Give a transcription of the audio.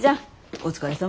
お疲れさん。